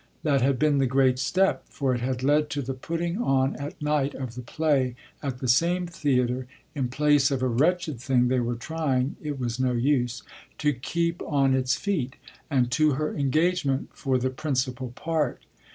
That had been the great step, for it had led to the putting on at night of the play, at the same theatre, in place of a wretched thing they were trying (it was no use) to keep on its feet, and to her engagement for the principal part.